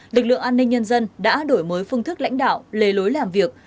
lực lượng an ninh nhân dân đã đổi mới phương thức lãnh đạo lề lối làm việc